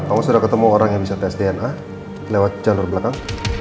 kamu sudah ketemu orang yang bisa tes dna lewat jalur belakang